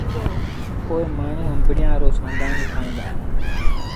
پو مآڻهوٚٚݩ آݩبڙيآݩ رو سآݩڌآڻو ٺاهيݩ دآ۔